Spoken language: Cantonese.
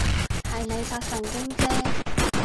係你發神經啫